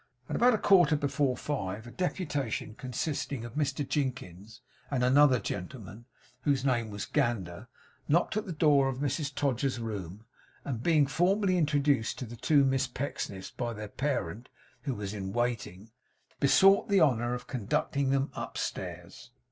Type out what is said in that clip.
At about a quarter before five, a deputation, consisting of Mr Jinkins, and another gentleman, whose name was Gander, knocked at the door of Mrs Todgers's room, and, being formally introduced to the two Miss Pecksniffs by their parent who was in waiting, besought the honour of conducting them upstairs.